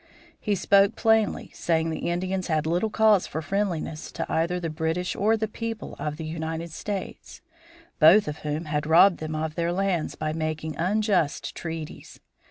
He spoke plainly, saying the Indians had little cause for friendliness to either the British or the people of the United States, both of whom had robbed them of their lands by making unjust treaties.